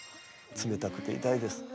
冷たくて痛いです。